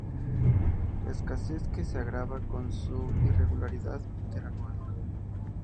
Escasez que se agrava con su irregularidad interanual.